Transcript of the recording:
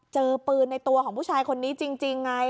เจอปืนในตัวของผู้ชายคนนี้จริงไง